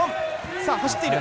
さあ走っている。